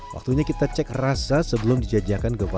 waktunya kita cek rasa sebelum dijajakan ke bawangnya